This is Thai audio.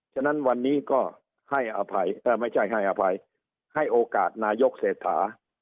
ฉะนั้นวันนี้ก็ให้อภัยไม่ใช่ให้อภัยให้โอกาสนายกเศรษฐา